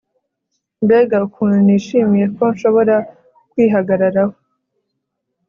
mbega ukuntu nishimiye ko nshobora kwihagararaho